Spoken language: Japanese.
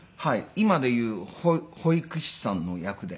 今で言う保育士さんの役で。